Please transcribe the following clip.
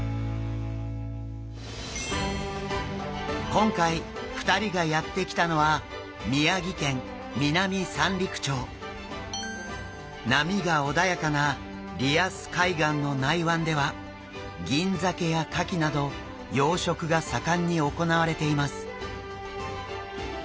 今回２人がやって来たのは波が穏やかなリアス海岸の内湾ではギンザケやカキなど養殖が盛んに行われています。